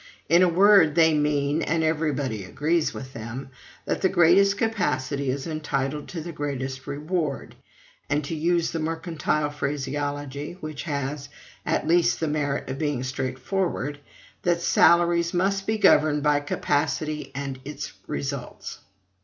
In a word, they mean and everybody agrees with them that the greatest capacity is entitled to the greatest reward; and, to use the mercantile phraseology, which has, at least, the merit of being straightforward, that salaries must be governed by capacity and its results.